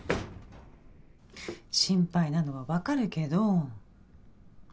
心配なのは分かるけど。